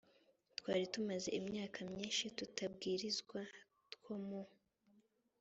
twari tumaze imyaka myinshi tutabwirizwa two mu